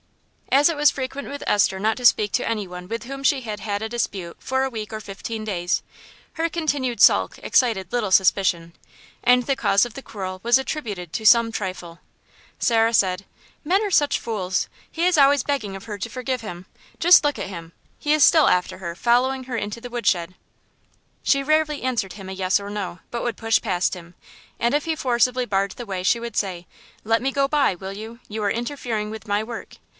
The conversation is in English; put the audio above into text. As it was frequent with Esther not to speak to anyone with whom she had had a dispute for a week or fifteen days, her continued sulk excited little suspicion, and the cause of the quarrel was attributed to some trifle. Sarah said "Men are such fools. He is always begging of her to forgive him. Just look at him he is still after her, following her into the wood shed." She rarely answered him a yes or no, but would push past him, and if he forcibly barred the way she would say, "Let me go by, will you? You are interfering with my work."